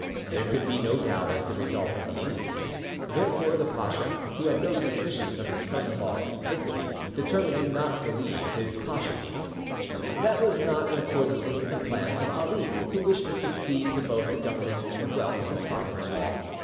There could be no doubt as to the result of the inquiry; therefore, the pacha, who had no suspicions of his son in law's duplicity, determined not to leave his pachalik. That was not in accordance with the plans of Ali, who wished to succeed to both the government and the wealth of his father in law.